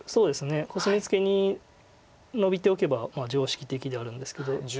コスミツケにノビておけば常識的ではあるんですけど。